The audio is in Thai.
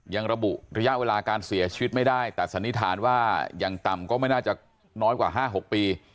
ยังระบุระยะเวลาการเสียชีวิตไม่ได้แต่สันนิษฐานว่ายังต่ำก็ไม่น่าจะน้อยกว่า๕๖ปี